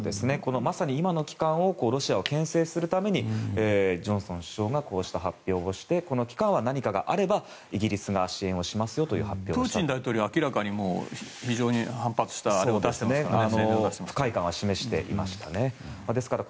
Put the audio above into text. まさに今の期間をロシアを牽制するためにジョンソン首相がこうした発表をしてこの期間は何かがあればイギリスが支援しますというプーチン大統領は明らかに非常に反発した声明を出していますから。